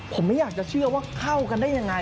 ผมไม่อยากจะเชื่อว่าเข้ากันได้ยังไง